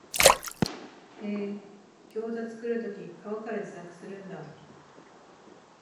へえ、ギョウザ作るとき皮から自作するんだ